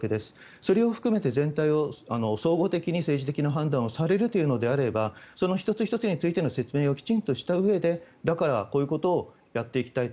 それを含めても全体を総合的に政治的な判断をされるというのであればその１つ１つについての説明をきちんとしたうえでだからこういうことをやっていきたいと。